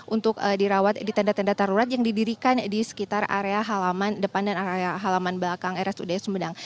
untuk dirawat di tenda tenda darurat yang didirikan di sekitar area halaman depan dan area halaman belakang rsud sumedang